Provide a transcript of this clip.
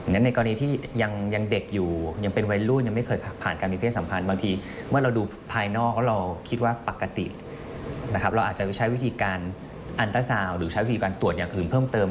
ปลอดภัยน้ำเข้าไปรูปมืออะไร่ะ